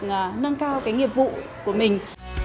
để có thể được nâng cao cái nghiệp vụ của mình